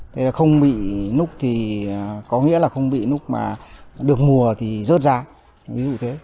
thế là không bị núc thì có nghĩa là không bị núc mà được mùa thì rớt ra ví dụ thế